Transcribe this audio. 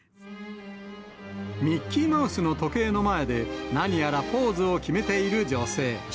ミッキーマウスの時計の前で、何やらポーズを決めている女性。